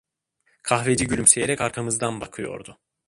Kahveci gülümseyerek arkamızdan bakıyordu.